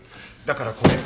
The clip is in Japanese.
だからこれ。